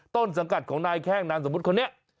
ต้นสังกัดของนายแข้งนามสมมุติคนนี้